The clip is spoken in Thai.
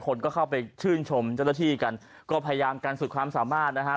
คนก็เข้าไปชื่นชมเจ้าหน้าที่กันก็พยายามการฝึกความสามารถนะฮะ